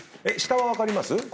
下は分かります？